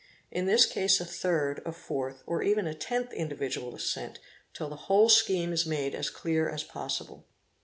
In this case a third, a fourth, or even a tenth individual is sent, till the whole scheme is made as clear as possible.